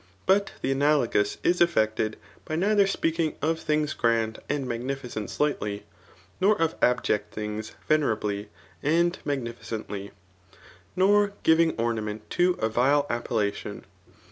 But the analogous is effected by neither speaking of thills grand and magnificent slightly, nor of abject thix2gs, venerably, {jmA magnificently ;3 nor giving oma* ment to a vile appellation.